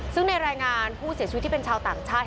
ซึ่งในรายงานผู้เสียชีวิตที่เป็นชาวต่างชาติ